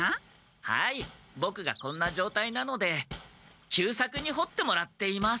はいボクがこんなじょうたいなので久作に掘ってもらっています。